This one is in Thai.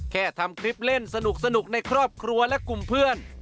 แค่ทำคลิปเล่นสนุกในครอบครัวและกลุ่มเพื่อน